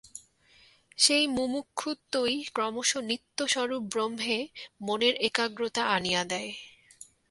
সেই মুমুক্ষুত্বই ক্রমশ নিত্যস্বরূপ ব্রহ্মে মনের একাগ্রতা আনিয়া দেয়।